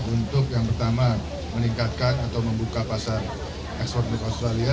untuk yang pertama meningkatkan atau membuka pasar ekspor di australia